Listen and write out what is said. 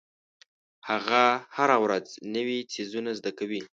هغه هره ورځ نوې څیزونه زده کوي.